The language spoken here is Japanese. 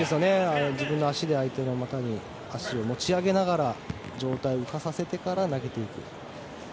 自分の足で相手の股を持ち上げながら状態を浮かさせてから投げていく。